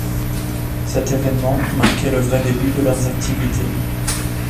Cet événement marquait le vrai début de leurs activités.